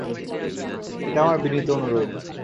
এটা আমার বিনীত অনুরোধ।